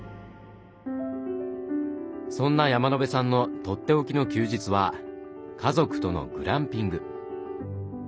そんな山野辺さんのとっておきの休日は家族とのグランピング。